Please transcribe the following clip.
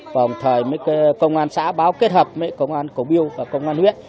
và một thời công an xã báo kết hợp với công an cổ biêu và công an huyết